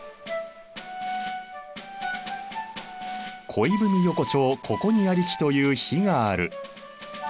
「恋文横丁此処にありき」という碑がある。